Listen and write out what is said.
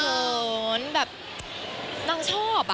เขินแบบนางชอบ